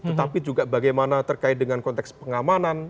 tetapi juga bagaimana terkait dengan konteks pengamanan